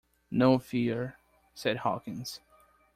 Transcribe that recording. "No fear," said Hawkins.